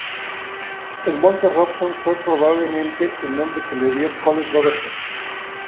El monte Robson fue probablemente el nombre que le dio Colin Robertson.